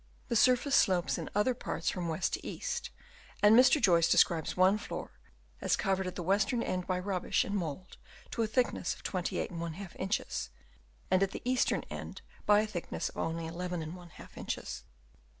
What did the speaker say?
The surface slopes in other parts from west to east, and Mr. Joyce describes one floor as covered at the western end by rubbish and mould to a thickness of 28^ inches, and at the eastern end by a thickness of only 11^ inches.